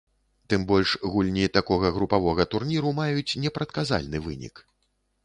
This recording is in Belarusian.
Тым больш гульні такога групавога турніру маюць непрадказальны вынік.